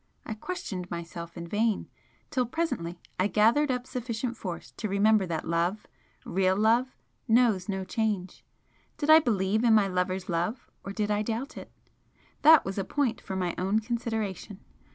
I questioned myself in vain, till presently I gathered up sufficient force to remember that love REAL love knows no change. Did I believe in my lover's love, or did I doubt it? That was a point for my own consideration!